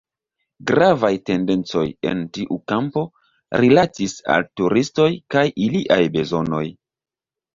Gravaj tendencoj en tiu kampo rilatis al turistoj kaj iliaj bezonoj.